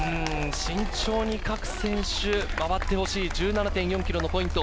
慎重に各選手、回ってほしい１７．４ｋｍのポイント。